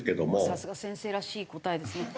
さすが先生らしい答えですね。